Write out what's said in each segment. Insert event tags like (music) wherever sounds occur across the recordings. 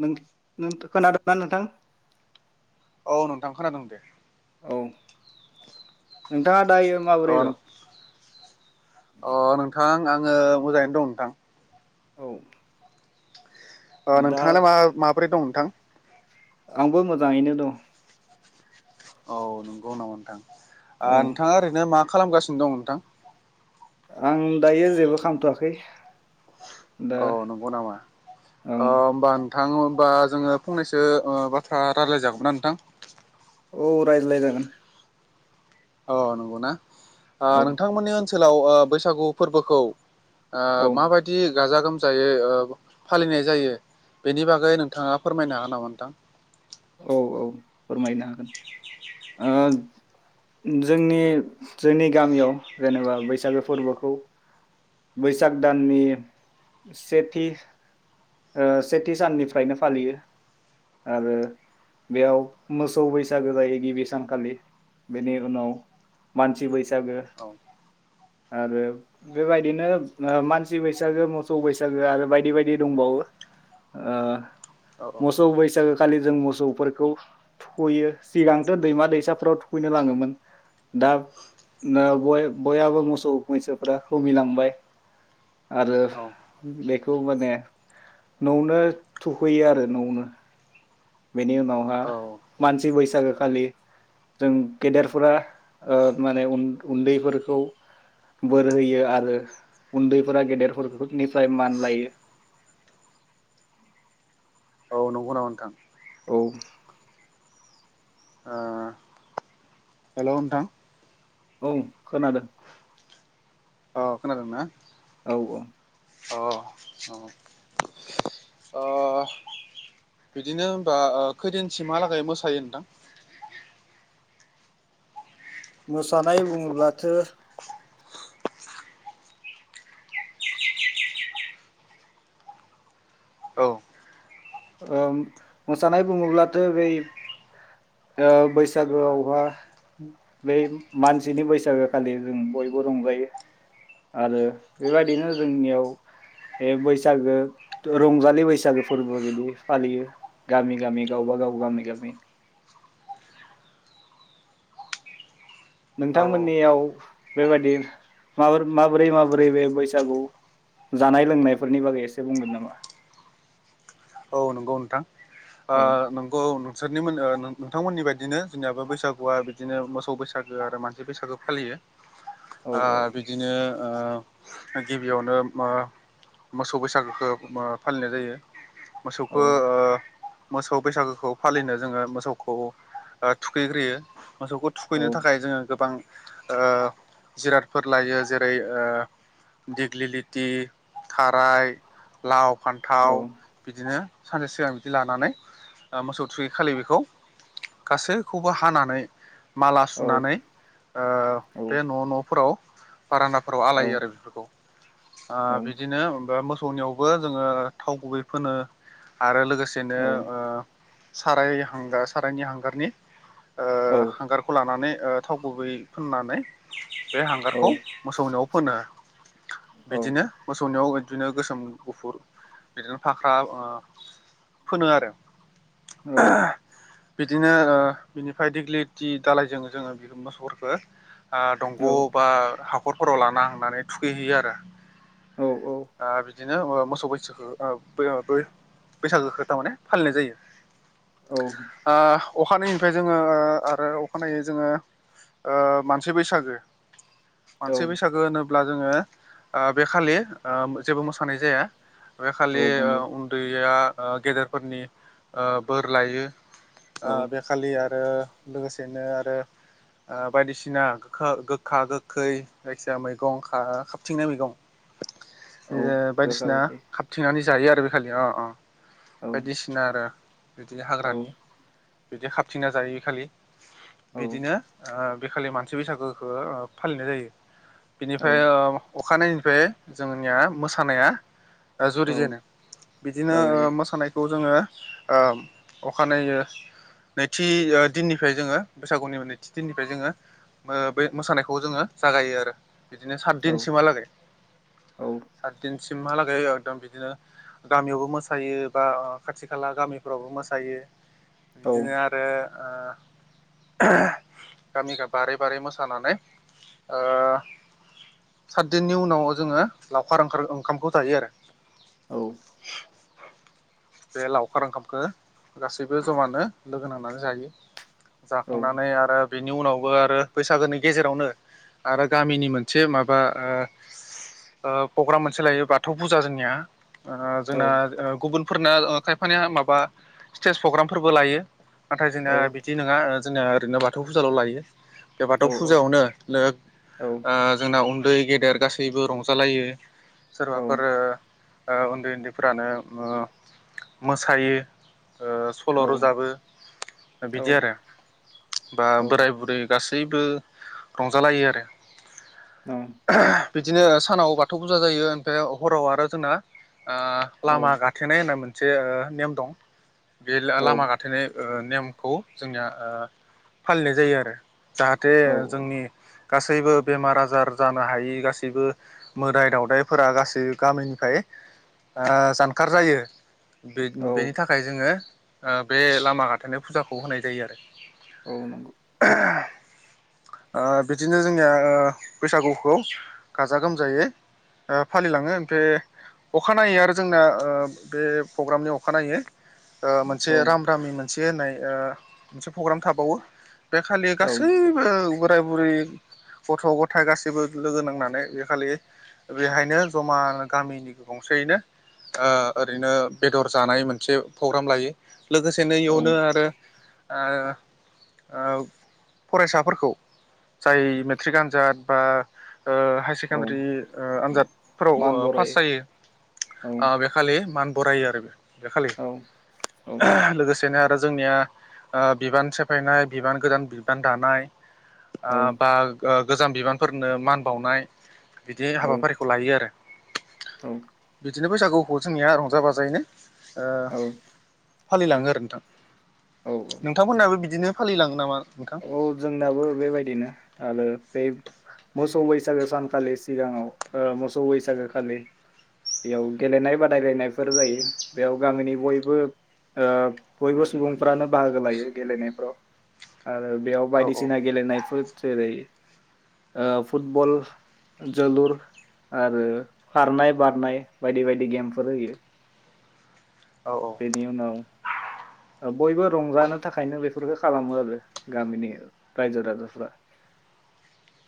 नों नों खोनादोंना नोंथां? औ नोंथां खोनादोंं दे। औ नोंथाङा दायो अ माबोरै दं अ नोंथां आङो मोजाङैनो दं नोंथां। औ। ओ दा नोंथाङालाय मा माबोरै दं नोंथां? आंबो मोजाङैनो दं। औ नंगौ नामा नोंथां? ओ औ नोंथाङा ओरैनो मा खालामगासिनो दं नोंथां? आं दायो जेबो खालामथ'वाखै दा औ नंगौ नामा औ अ बा थां होमबा जोङो फंनैसो ओ बाथ्रा रायज्लाय जागौमोनना नोंथां? औ रायज्लाय जागोन। अ नंगौना? ओ औ नोंथांमोननि ओन सोलाव ओ बैसागु फोरबोखौ ओ औ माबायदि जा गोमजायै ओ फालिनाय जायो बेनि बागै नोंथाङा फोरमायनो हागोन नामा नोंथां? औ औ फोरमायनो हागोन ओ जोंनि जोंनि गामियाव जेनोबा बैसागो फोरबोखौ बैसाग दाननि सेथि ओ सेथि साननिफ्रायनो फालियो आरो बेयाव मोसौ बैसागो जायो गिबि सानखालि बेनि उनाव मानसि बैसागो औ आरो बेबायदिनो मानसि बैसागो मोसौ बैसागो आरो बायदि बायदि दंबावो ओ औ मोसौ बैसागो खालि जों मोसौ सौफोरखौ थुखैयो सिगांथ' दैमा दैसाफ्राव थुखैनो लाङोमोन दा बयहाबो मोसौ मैसोफ खमिलांबाय आरो औ बेखौ माने न'आवनो थुखैयो आरो न'आवनो बेनि उनावहा औ मानसि बैसागो खालि जों गेदेरफोरा ओ माने उन उन्दैफोरखौ बोर होयो आरो उन्दैफोरा गेदेरनिफ्राय मान लायो औ नंगौ नामा नोंथां? औ ओ हेल' नोंथां औ खोनादों अ खोनादों ना? औ औ औ ओ बिदिनो होनबा ओ खैदिनसिमहालागै मोसायो नोंथां मोसानाय बुङोब्लाथो औ ओम मोसानाय बुङोब्लाथ' बै ओ बैसागोआवहा बै मानसिनि बैसागो खालि जों बयबो रंजायो । आरो बेबायदिनो जोंनियाव बे बैसागो रंजालि बैसागो फोरबो बिदि फालियो गामि गामि गावबा गाव गामि गामि । औ नोंथांमोननियाव बेबायादि माबोरै माबोरै बे बैसागु जानाय लोंनायफोरनि बागै एसे बुंगोन नामा? औ नंगौ नोंथां ओ औ नोंगौ नो सोरनि मोनो नोंथांमोननि बायदिनो जोंनियाबो बैसागुआ बिदिनो मोसौ बैसागो आरो मानसि बैसागो फालियो औ ओ बिदिनो ओ गिबियावनो ओ मोसौ बैसागुखौ ओ फालिनाय जायो औ मोसौखौ ओ मोसौ बैसागोखौ फालिनो जोङो मोसौखौ ओ थुखैग्रोयो मोसौखौ थुखैनो थाखाय जोङो गोबां ओ जिरादफोर लायो जेरै ओ दिग्लिलिथि खाराय लाव फान्थाव औ बिदिनो सानसे सिगां जि लानानै ओ मोसौ थुरखै खालि बेखौ गासैखौबो हानानै माला औ सुनानै ओ औ बे न' न'फोराव बारोनदाफोराव औ आलायो आरो बेफोरखौ ओ औ बिदिनो (unintelligible) थौनियावबो जोङो थाव गुबै फोनो आरो लोगोसे औ बिदिनो ओ साराय हांगार सारायनि हांगारनि ओ औ हांगारखौ लानानै ओ थाव गुबै फुननानै बे हांगारखौ मोसौनिआव फोनो बिदिनो मोसौ सौनियाव बिदिनो गोसोम गुफुर बिदिनो फाख्रा ओ फोनो आरो औ बिदिनो ओ बिनिफ्राय दिग्लिलिथि दालायजों जोङो बि मोसौफोरखो आ दंग' बा हाख खरफोराव लाना हांनानै थुखैहैयो आरो औ ओ बि दिनो ओ मोसौ मैसोखौ ओ बो बै-बैसागोखौ थारमाने फालिनाय जायो। औ ओ अखानायैनिफ्राय जोङो आरो अखानायै जोङो ओ मानसि बैसागो मानसि बैसागो होनो अब्ला जोङो ओ बे खालि ओम जेबो मोसौ खानाय जाया बे खालि औ ओ नंगौ उन्दैया ओ गेदेरफोरनि ओ बोर लायो ओ औ बेखालि आरो लोगोसेनो आरो ओ बायदिसिना गोखा गोखा गोखै जायखिजाया मैगं खा-खाबथिंनाय मैगं ओ औ गोखा बायदिसिना गोखै खाबथिंनानै जायो आरो बे खालि अ अ औ बायदिसिना आरो बिदिनो औ हाग्रानि बिदि खाबथिना जायो इखालि औ बिदिनो ओ बेखालि मानसि बैसागोखौ ओ फालिनाय जायो। औ बिनिफ्राय ओ अखानायैनिफ्राय जोंनिया मोसानाया ओ औ जुरिजेनो बिदिनो ओ जागायो मोसानाय खौ जोङो ओ अखानायै नैथि दिननिफ्राय जोङो बैसागुनि नैथि दिननिफ्राय जोङो ओ बे मोसानायखौ जोङो जागायो आरो। बिदिनो औ सातदिनसिमहालागै औ सात दिन सिमहालागै एकदम बिदिनो गामियावबो मोसायो बा खाथि खाला गामिफ्रावबो मोसायो औ बिदिनो आरो ओ (unintelligible) गामिगा बारै बारै मोसानानै ओ सातदिननि उनाव जोङो लावखार ओंखार ओंखामखौ जायो आरो औ बे लावखार ओंखामखौ गासैबो जमानो लोगो नांनानै जायो। औ जाखांनानै आरो बेनि उनावबो आरो बैसागोनि गेजेरावनो आरो गामिनि मोनसे माबा ओ ओ प्रग्राम मोनसे लायो बाथौ फुजा जोंनिया ओ औ जोंना ओ गुबुन फोरना ओ खायफानिया माबा स्टेज प्रग्रामफोरबो लायो। नाथाय जोंना औ बिदि नङा ओ जोंनिया ओरैनो बाथौ फुजाल' लायो। बे बाथौ औ औ फुजायावनो लोग ओ जोंना उन दै गेदेर गासैबो रंजालायो सोरबाफोर औ ओ उन्दै उन्दैफोरानो ओ मोसायो ओ सल' रोजाबो बिदि आरो बा बोराय बुरै गासैबो बयबो रंजालायो आरो बिदिनो सानाव बाथौ फुजा जायो। फाय हराव आरो जोंना ओ लामा गा मोनसे नेम दं। बे ला-लामा गाथेनाय ओ नेमखौ जोंनिया ओ फालिनाय जायो आरो औ जाहाथे जोंनि गासैबो बेमार आजार जानो हायि गासैबो मोदाय दावदायफोरा गासै गामिनिफ्राय ओ जान खारजायो औ बे-बेनि थाखाय जोङो। ओ बे लामा गाथेनाय फुजाखौ होनाय जायो आरो औ नंगौ ओ बिदिनो जोंनिया ओ बैसागुखौ गाजा गोमजायै ओ फालिलाङो ओमफ्राय अखानायै आरो जोंना ओ बे पग्रामनि अखानायै ओ मोनसे औ राम राममिन से होननाय ओ प्रग्राम थाबावो बे खालि औ गासैबो बोराय बुरै गथ' गथाय गासैबो लोगो नांनानै बे खालि बेहायनो जमानो गामिनि गंसेयैनो ओ ओरैनो बेदर जानाय मोनसे प्रग्राम लायो लोगोसेनो औ इयावनो आरो ओ ओ फरायसाफोरखौ जाय मेट्रिक आनजाद बा ओ हायार औ सेकेणडारि ओ आनजादफोराव मान ओ पास बरायो जायो औ । बे मान बरायो आरो बे । बे खालि औ औ लोगोसेनो दा जोंनिया ओ बिबान सेफायनाय बिबान गोदान बिबान दानाय ओ औ बा गोजाम बिबानफोरनो मान बावनाय बिदि हाबाफारिखौ लायो आरो औ बे बैसागुखौ जोंनिया रंजा बाजायैनो ओ औ फालिलाङो आरो नोंथां। औ नोंथांमोनहाबो बिदिनो। फालिङो नामा? नोंथां औ जोंनाबो बेबायदिनो आरो बे मोसौ बैसागो सानखालि सिगाङाव, ओ मोसौ बैसागो खालि बेयाव गेलेनाय बादायलायनायफोर जायो। बेयाव गामिनि बयबो ओ बयबो सुबुंफ्रानो बाहागो लायो गेलेनायफ्राव। आरो बेयाव औ बायदिसिना गेलेनायफोर जेरै। ओ फुटबल जोलुर आरो खारनाय बारनाय बायदि -बायदि गेमफोर होयो। औ बेनि उनाव। ओ बयबो रंजानो थाखायनो बेफोरखौ खालामो आरो, गामिनि रायजो राजाफ्रा,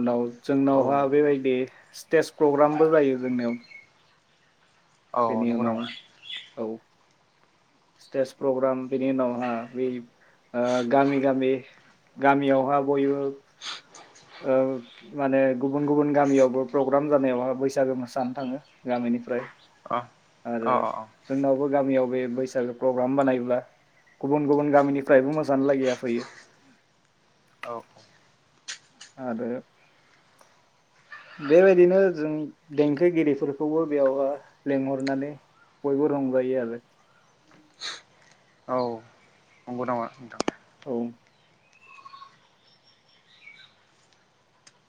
उनाव औ जोंनावहा नंगौ बेबायदि स्टेज प्रग्रामबो जायो जोंनियाव। अ बेनि नंगौ उनाव नामा। औ स्टेज प्रग्राम, बिनि उनावहा बै ओ गामि गामि गामियावहा बयबो। ओ माने गुबुन गुबुन गामियावबो प्रग्राम जानायावहाय बैसागो मोसानो थाङो गामिनिफ्राय। अ अ आरो अ जोंनावबो। गामियाव बे बैसागो प्रग्राम बानायोब्ला गुबुन गुबुन गामिनिफ्रायबो मोसानो लागैया फैयो। औ आरो बेबायदिनो जों देंखोगिरिफोरखौबो बेयावहाय लिेंंहरनानै बयबो रंजायो आरो। औ (unintelligible) औ।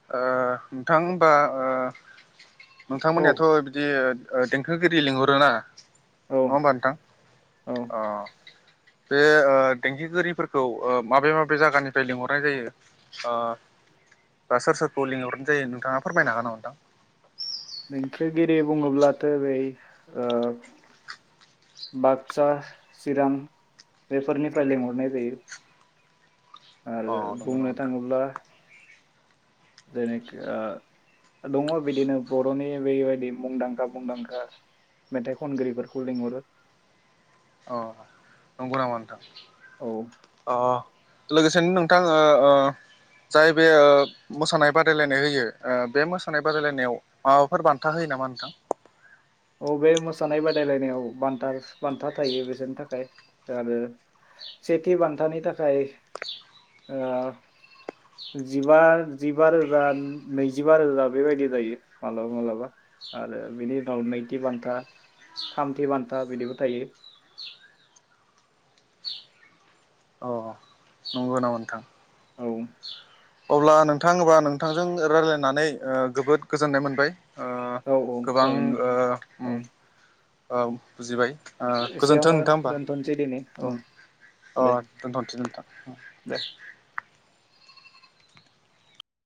ओ नोंथां होनबा ओ। औ नोंथांमोनियाथ' बिदि। ओ देंखोगिरि लिंहरो ना। औ न होमबा नोंथां? औ अ। बे ओ देंखोगिरिफोरखौ माबे माबे जायगानिफ्राय लिंहरनाय जायो? ओ बा सोर सोरखौ लिंहरना। दे नोंथाङा फोरमायनो हागोन नामा? नोंथां। नेंखोगिरि बुङोब्लाथ' बै ओ बाक्सा, चिरां बेफोरनिफ्राय लिंहरनाय जायो। आरो नामा बुंनो नोंथां थाङोब्ला। जेनेखि ओ दङ बिदिनो बर'नि बेबायदि मुंदांखा मुंदांखा मेथाइ खनगिरिफोरखौ लिंहरो। अ नंगौ नामा नोंथां अ नंगौ नामा नोंथां औ। अ लोगोसेनो नोंथां ओ ओ जाय बे ओ मोसानाय बादायलायनाय होयो, बे मोसानाय बादायलायनायाव माबाफोर बान्था होयो नामा नोंथां? अबे मोसानाय बादायलायनायाव बान्था बान्था थायो बिसोरनि थाखाय, आरो सेथि बान्थानि थाखाय ओ जिबा जिबा रोजा नैजिबा रोजा बेबायदि जायो मालाबा मालाबा, आरो बेनि उनाव थि बान्था थामथि बान्था बिदिबो थायो। अ नंगौ नामा नोंथां औ। अब्ला नोंथा एबा नोंथांजों रायजलायनानै ओ जोबोद गोजोननाय मोनबाय। ओ औ औ जागोन गोबांओ नोंथां उम। औ औ। बुजिबाय ओ गोजोनथों एसेयावनो नोंथां होमबा। दोनथ'नोसै दिनै औ अ दे दोनथ'सै नोंथां। दे